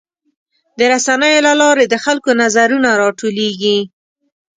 د رسنیو له لارې د خلکو نظرونه راټولیږي.